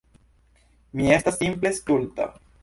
Mi estas simple stulta.